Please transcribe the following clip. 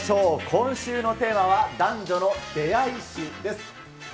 今週のテーマは、男女の出会い史です。